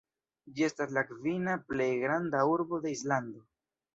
Ĝi estas la kvina plej granda urbo de Islando.